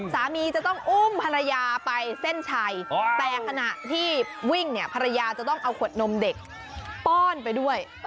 สามีจะต้องอุ้มภรรยาไปเส้นชัยแต่ขณะที่วิ่งเนี่ยภรรยาจะต้องเอาขวดนมเด็กป้อนไปด้วย